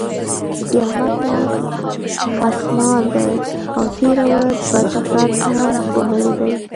د احمد لاس خسمار دی؛ او تېره ورځ بد غږ هم وهلی دی.